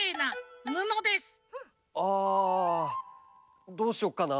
あどうしよっかな？